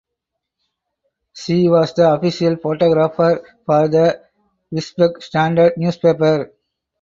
She was the official photographer for the "Wisbech Standard" Newspaper.